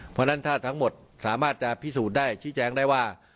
เพราะฉะนั้นถ้าทั้งหมดสามารถจะพิสูจน์ได้ชี้แจงได้ว่า